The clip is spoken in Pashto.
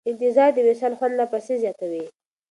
انتظار د وصال خوند لا پسې زیاتوي.